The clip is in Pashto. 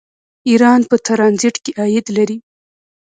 ایران په ټرانزیټ کې عاید لري.